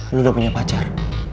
elu gak punya pacar